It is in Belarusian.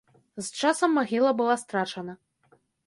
З часам магіла была страчана.